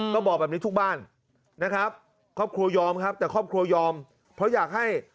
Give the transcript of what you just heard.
ก็บอกแบบนี้ทุกบ้านนะครับครอบครัวยอมครับแต่ครอบครัวยอมเพราะอยากให้